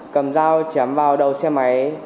cầm dao chém vào đầu xe máy